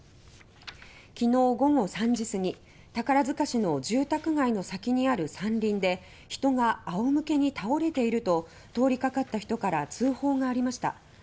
きのう午後３時すぎ宝塚市の住宅街の先にある山林で「人が仰向けに倒れている」と通りかかった人から通報がありました。